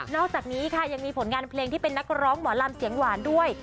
อกจากนี้ค่ะยังมีผลงานเพลงที่เป็นนักร้องหมอลำเสียงหวานด้วย